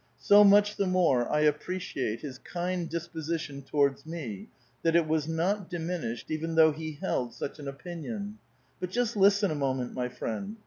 So much the more I appreciate his kind disposition towards me, that it was not diminished even though he held such an opinion. But just listen a moment, my friend.